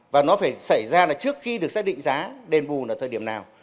và nó phải xảy ra trước khi được xác định giá đền bù là thời điểm nào